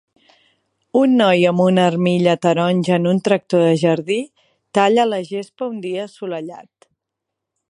Un noi amb una armilla taronja en un tractor de jardí, talla la gespa un dia assolellat.